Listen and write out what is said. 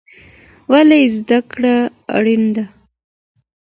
ولې زده کړه اړینه ده؟